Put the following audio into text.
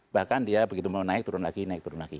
bahkan dia begitu mau naik turun lagi naik turun lagi